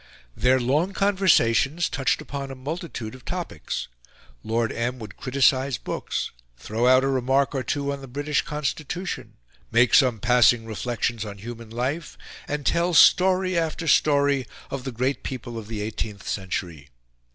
Their long conversations touched upon a multitude of topics. Lord M. would criticise books, throw out a remark or two on the British Constitution, make some passing reflections on human life, and tell story after story of the great people of the eighteenth century.